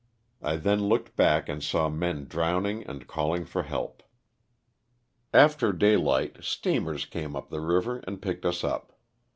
I then looked back and saw men drowning and calling for help. After daylight steamers came up the river and picked us up.